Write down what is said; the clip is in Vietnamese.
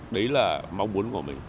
đấy là mong muốn của mình